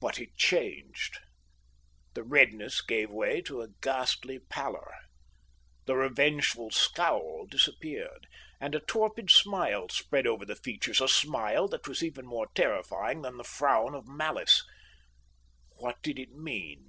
But it changed. The redness gave way to a ghastly pallor. The revengeful scowl disappeared; and a torpid smile spread over the features, a smile that was even more terrifying than the frown of malice. What did it mean?